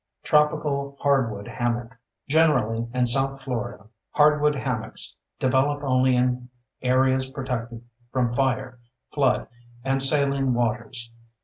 Tropical Hardwood Hammock Generally, in south Florida, hardwood hammocks develop only in areas protected from fire, flood, and saline waters.